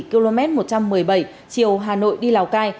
km một trăm một mươi bảy chiều hà nội đi lào cai